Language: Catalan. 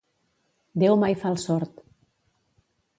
Déu mai fa el sord.